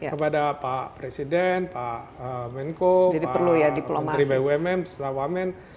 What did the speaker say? kepada pak presiden pak menko pak menteri bumn setelah wamen